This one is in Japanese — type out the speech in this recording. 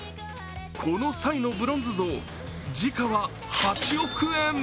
こきサイのブロンズ像時価は８億円！